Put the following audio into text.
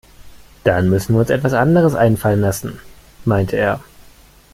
Dann müssen wir uns etwas anderes einfallen lassen, meinte er.